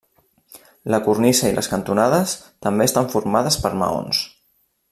La cornisa i les cantonades també estan formades per maons.